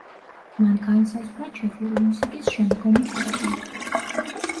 მან განსაზღვრა ჩეხური მუსიკის შემდგომი გზები.